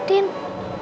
nanti aku cari bunda